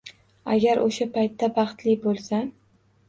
Agar o'sha paytda baxtli bo'lsam.